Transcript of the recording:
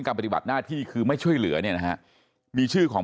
ปฏิบัติหน้าที่คือไม่ช่วยเหลือเนี่ยนะฮะมีชื่อของ